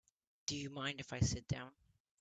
Do you mind if I sit down?